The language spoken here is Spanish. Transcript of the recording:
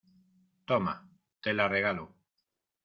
toma, te la regalo.